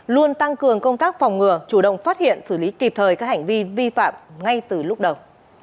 luôn tăng cường công tác phòng ngừa chủ động phát hiện xử lý kịp thời các hành vi vi phạm ngay từ lúc đầu